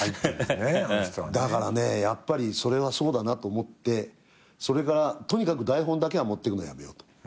だからねやっぱりそれはそうだなと思ってそれからとにかく台本だけは持っていくのやめようと。